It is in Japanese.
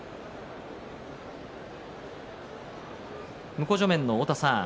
向正面の太田さん